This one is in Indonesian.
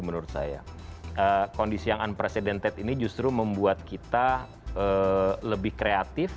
menurut saya kondisi yang unprecedented ini justru membuat kita lebih kreatif